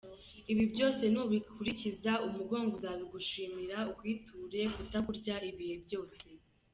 Ibi byose nubikurikiza, umugongo uzabigushimira, ukwiture kutakurya ibihe byose.